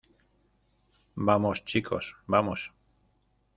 vamos, chicos. vamos .